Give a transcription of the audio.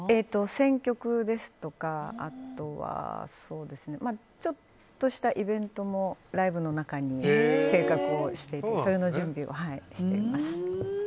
選曲ですとかちょっとしたイベントもライブの中に計画していてそれの準備をしています。